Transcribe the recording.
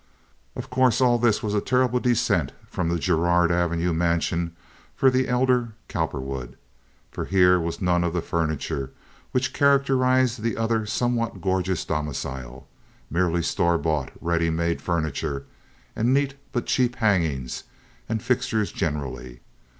Of course all this was a terrible descent from the Girard Avenue mansion for the elder Cowperwood; for here was none of the furniture which characterized the other somewhat gorgeous domicile—merely store bought, ready made furniture, and neat but cheap hangings and fixtures generally.